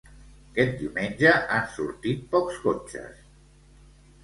Aquest diumenge han sortit pocs cotxes.